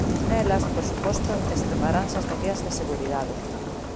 Nelas, por suposto, extremaranse as medidas de seguridade.